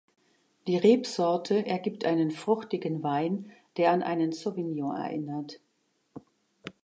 Die Rebsorte ergibt einen fruchtigen Wein, der an einen Sauvignon erinnert.